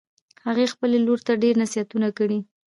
هغې خپلې لور ته ډېر نصیحتونه کړي